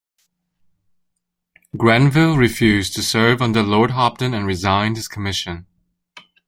Grenville refused to serve under Lord Hopton and resigned his commission.